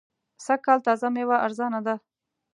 سږ کال تازه مېوه ارزانه ده.